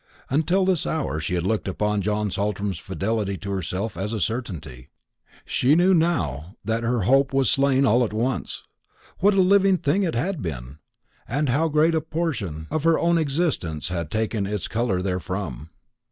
Until this hour she had looked upon John Saltram's fidelity to herself as a certainty; she knew, now that her hope was slain all at once, what a living thing it had been, and how great a portion of her own existence had taken its colour therefrom.